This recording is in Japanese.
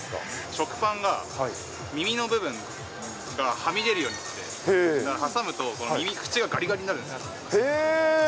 食パンが、耳の部分がはみ出るようになってて、挟むと、縁ががりがりになるんです。